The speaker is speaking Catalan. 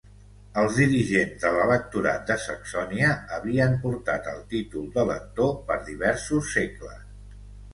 Els dirigents de l'Electorat de Saxònia havien portat el títol d'elector per diversos segles.